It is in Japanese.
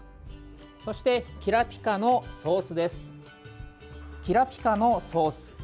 そして、きらぴ香のソースです。